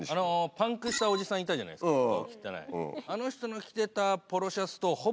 パンクしたおじさんいたじゃないですか顔汚い。